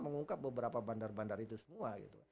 mengungkap beberapa bandar bandar itu semua gitu